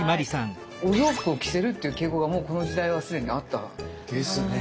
お洋服を着せるっていう傾向がもうこの時代は既にあった？ですね。